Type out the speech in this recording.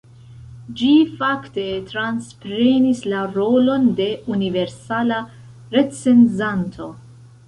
Ĝi fakte transprenis la rolon de universala recenzanto.